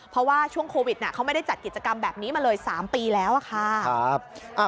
เพราะว่าช่วงโควิดเขาไม่ได้จัดกิจกรรมแบบนี้มาเลย๓ปีแล้วค่ะ